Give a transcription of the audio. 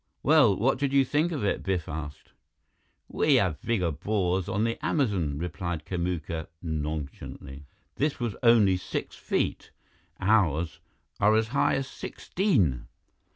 "Well, what did you think of it?" Biff asked. "We have bigger bores on the Amazon," replied Kamuka nonchalantly. "This was only six feet. Ours are as high as sixteen."